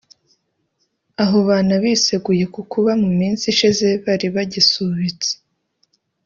aho banabiseguye ku kuba mu minsi ishize bari bagisubitse